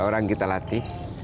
orang kita latih